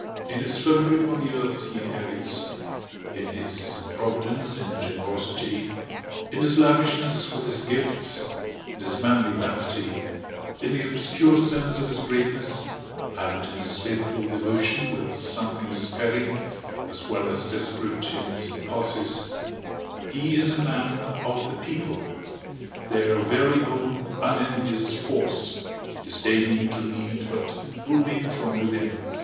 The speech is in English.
In his firm grip on the earth he inherits, in his improvidence and generosity, in his lavishness with his gifts, in his manly vanity, in the obscure sense of his greatness and in his faithful devotion with something despairing as well as desperate in its impulses, he is a Man of the People, their very own unenvious force, disdaining to lead but ruling from within.